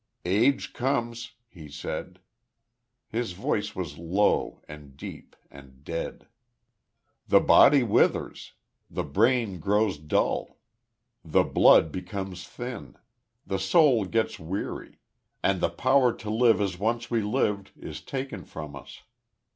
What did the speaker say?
"Age comes," he said. His voice was low, and deep, and dead. "The body withers. The brain grows dull. The blood becomes thin. The soul gets weary. And the power to live as once we lived is taken from us.